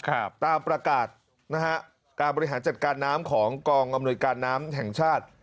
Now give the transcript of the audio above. ครับตามประกาศนะฮะการบริหารจัดการน้ำของกองอำนวยการน้ำแห่งชาติ